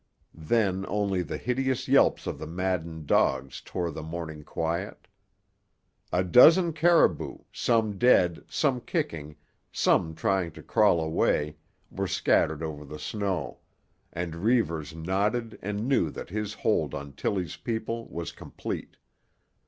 Then only the hideous yelps of the maddened dogs tore the morning quiet. A dozen caribou, some dead, some kicking, some trying to crawl away, were scattered over the snow, and Reivers nodded and knew that his hold on Tillie's people was complete.